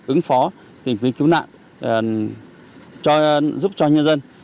ứng phó tìm kiếm cứu nạn giúp cho nhân dân